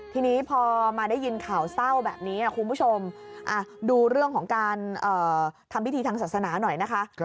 ทีนี้พอมาได้ยินข่าวเศร้าแบบนี้คุณผู้ชมดูเรื่องของการทำพิธีทางศาสนาหน่อยนะคะ